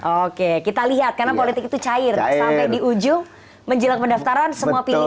oke kita lihat karena politik itu cair sampai di ujung menjelang pendaftaran semua pilihan